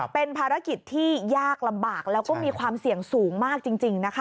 เป็นภารกิจที่ยากลำบากแล้วก็มีความเสี่ยงสูงมากจริงนะคะ